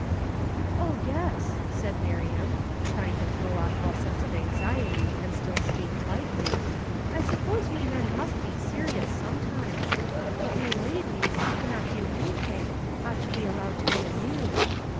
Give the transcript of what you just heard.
" Oh, yes," said Miriam, trying to throw off all sense of anxiety and still speak lightly ;" I sup pose you men must be serious sometimes ; but we ladies, who cannot do anytliing, ought to be allowed to be amused.